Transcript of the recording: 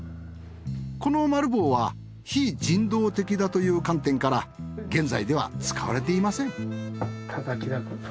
このマル房は非人道的だという観点から現在では使われていません。